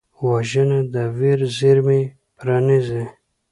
وژنه د ویر زېرمې پرانیزي